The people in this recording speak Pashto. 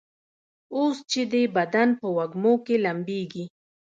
اوس چي دي بدن په وږمو کي لمبیږي